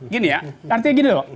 gini ya artinya gini loh